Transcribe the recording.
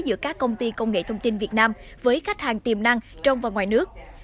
giữa các công ty công nghệ thông tin việt nam với khách hàng tiềm năng trong và ngoài nước